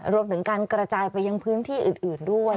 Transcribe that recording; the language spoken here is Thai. รวมถึงการกระจายไปยังพื้นที่อื่นด้วย